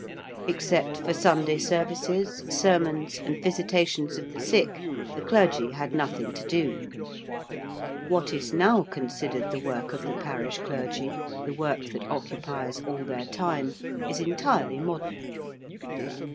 Except for Sunday services, sermons, and visitations of the sick, the clergy had nothing to do. What is now considered the work of the parish clergy the work that occupies all their time is entirely modern.